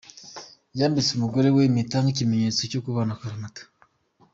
Yambitse umugore we impeta nk'ikimenyetso cyo kubana akaramata.